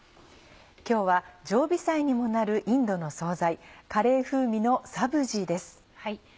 今日は常備菜にもなるインドの総菜カレー風味のサブジです。